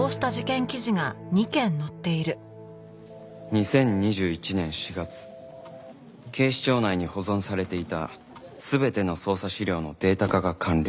２０２１年４月警視庁内に保存されていた全ての捜査資料のデータ化が完了